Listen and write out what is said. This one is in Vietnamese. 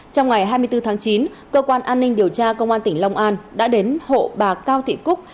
trong ngày hai mươi bốn tháng chín cơ quan an ninh điều tra công an tỉnh long an đã đến hộ bà cao thị cúc